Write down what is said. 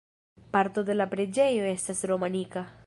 Parto de la preĝejo estas romanika.